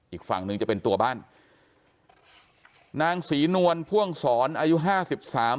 อีกฝั่งหนึ่งจะเป็นตัวบ้านนางศรีนวลพ่วงศรอายุห้าสิบสาม